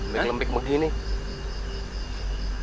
lempik lempik mudi nih